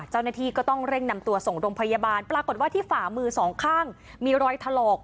เจ้าหน้าที่ก็ต้องเร่งนำตัวส่งโรงพยาบาลปรากฏว่าที่ฝ่ามือสองข้างมีรอยถลอก